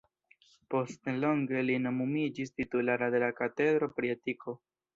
Post nelonge li nomumiĝis titulara de la katedro pri etiko.